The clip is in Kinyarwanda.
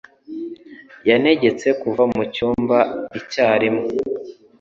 Yantegetse kuva mu cyumba icyarimwe.